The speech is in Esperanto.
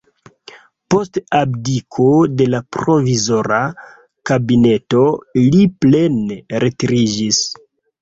Post abdiko de la provizora kabineto li plene retiriĝis.